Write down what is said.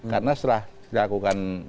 karena setelah diakukan